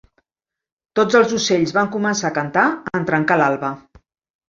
Tots els ocells van començar a cantar en trencar l'alba.